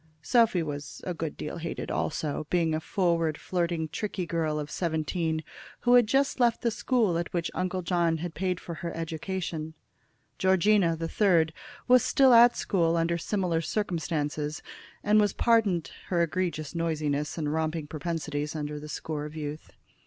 Sophy was a good deal hated also, being a forward, flirting, tricky girl of seventeen, who had just left the school at which Uncle John had paid for her education. Georgina, the third, was still at school under similar circumstances, and was pardoned her egregious noisiness and romping propensities under the score of youth.